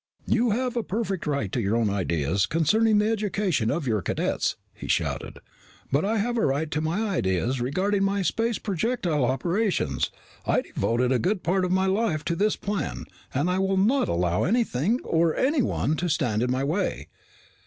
"You have a perfect right to your own ideas concerning the education of your cadets!" he shouted. "But I have a right to my ideas regarding my space projectile operations. I've devoted a good part of my life to this plan, and I will not allow anything, or anyone, to stand in my way."